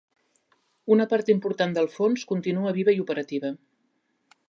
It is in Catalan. Una part important del fons continua viva i operativa.